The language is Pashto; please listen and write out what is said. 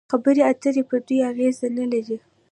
خبرې اترې پر دوی اغېز نلري.